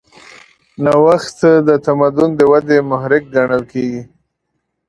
نوښت د تمدن د ودې محرک ګڼل کېږي.